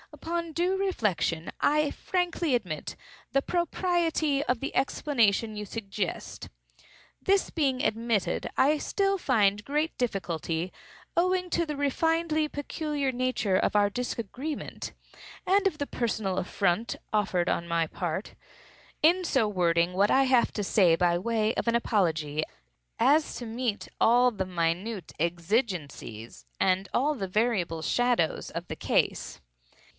Upon due reflection I frankly admit the propriety of the explanation you suggest. This being admitted, I still find great difficulty, (owing to the refinedly peculiar nature of our disagreement, and of the personal affront offered on my part,) in so wording what I have to say by way of apology, as to meet all the minute exigencies, and all the variable shadows, of the case.